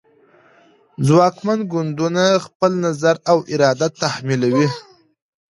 ځواکمن ګوندونه خپل نظر او اراده تحمیلوي